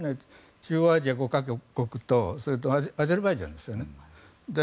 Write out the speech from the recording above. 中央アジア５か国とアゼルバイジャンですよね。